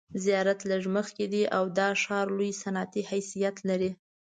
زیارت لږ مخکې دی او دا ښار لوی صنعتي حیثیت لري.